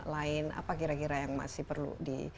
lain apa kira kira yang masih perlu di